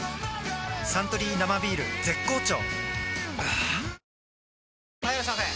はぁ・はいいらっしゃいませ！